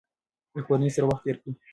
له کورنۍ سره وخت تېر کړئ.